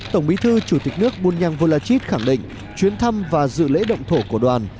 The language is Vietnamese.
tổng bí thư chủ tịch nước bunyang volachit khẳng định chuyến thăm và dự lễ động thổ của đoàn